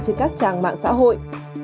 trên các trang mạng xã hội